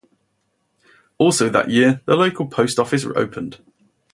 Also that year, the local post office opened.